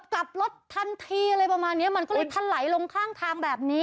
กลับรถทันทีอะไรประมาณเนี้ยมันก็เลยทันไหลลงข้างทางแบบนี้